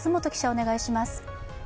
お願いします。